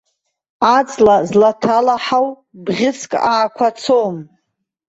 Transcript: Аҵла злаҭалаҳау бӷьык аақәацом.